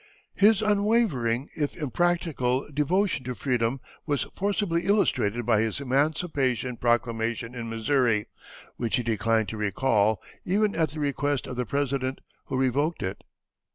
His unwavering, if impractical, devotion to freedom was forcibly illustrated by his emancipation proclamation in Missouri, which he declined to recall, even at the request of the President who revoked it.